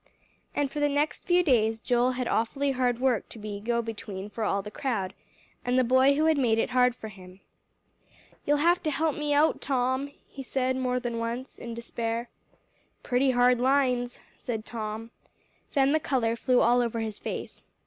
And for the next few days, Joel had awfully hard work to be go between for all the crowd, and the boy who had made it hard for him. "You'll have to help me out, Tom," he said more than once in despair. "Pretty hard lines," said Tom. Then the color flew all over his face.